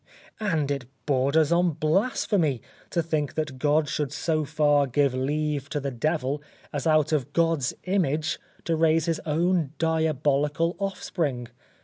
And it borders on blasphemy to think that God should so far give leave to the devil as out of God's image to raise his own diabolical offspring.